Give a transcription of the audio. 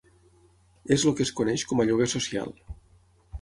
És el que es coneix com a lloguer social.